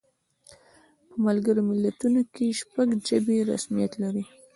په ملګرو ملتونو کې شپږ ژبې رسمیت لري.